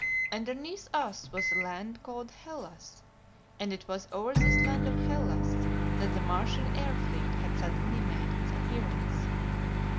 Underneath us was the land called "Hellas," and it was over this land of Hellas that the Martian air fleet had suddenly made its appearance.